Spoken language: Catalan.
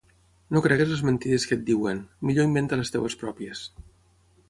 No creguis les mentides que et diuen, millor inventa les teves pròpies.